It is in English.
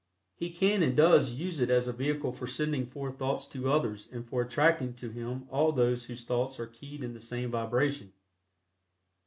He can and does use it as a vehicle for sending forth thoughts to others and for attracting to him all those whose thoughts are keyed in the same vibration.